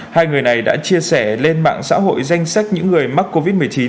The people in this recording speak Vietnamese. hai người này đã chia sẻ lên mạng xã hội danh sách những người mắc covid một mươi chín